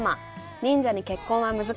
『忍者に結婚は難しい』